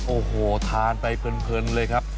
โอ้โหทานไปเพลินเลยครับ